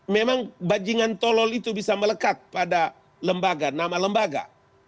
memang bajingan tolol itu bisa melekat pada lembaga nama lembaga